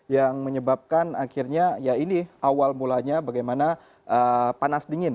yang menyebabkan akhirnya ya ini awal mulanya bagaimana panas dingin